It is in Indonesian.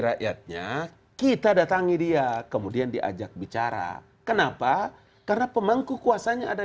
rakyatnya kita datangi dia kemudian diajak bicara kenapa karena pemangku kuasanya ada